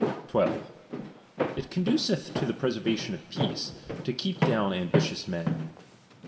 12. It conduceth to the preservation of peace, to keep down ambi tious men.